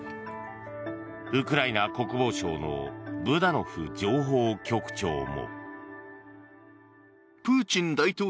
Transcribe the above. ウクライナ国防省のブダノフ情報局長も。